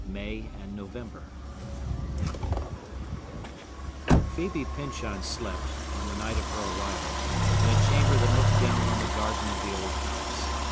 V. May and November Phœbe Pyncheon slept, on the night of her arrival, in a chamber that looked down on the garden of the old house.